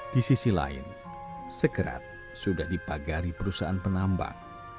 di sisi lain sekerat sudah dipagari perusahaan penambang